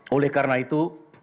oleh karena itu